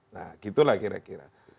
nah gitulah kira kira